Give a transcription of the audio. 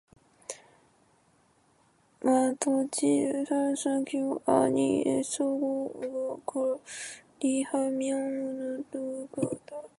마땅히 행할 길을 아이에게 가르치라 그리하면 늙어도 그것을 떠나지 아니하리라